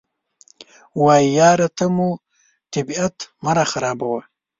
وایي یاره ته مو طبیعت مه راخرابوه.